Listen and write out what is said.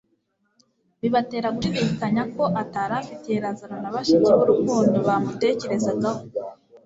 bibatera gushidikanya ko atari afitiye Lazaro na bashiki be urukundo bamutekerezagaho.